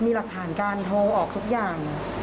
มีหลักฐานการโทรออกทุกอย่าง